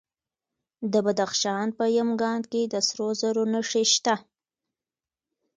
د بدخشان په یمګان کې د سرو زرو نښې شته.